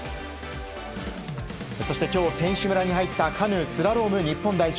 そして今日、選手村に入ったカヌー・スラロームの日本代表。